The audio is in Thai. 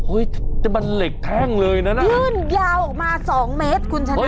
โอ๊ยมันเหล็กแท่งเลยนะค่ะยื่นยาวออกมา๒เมตรคุณชะนัก